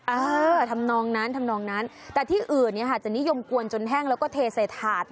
เออทำนองนั้นทำนองนั้นแต่ที่อื่นเนี่ยค่ะจะนิยมกวนจนแห้งแล้วก็เทใส่ถาด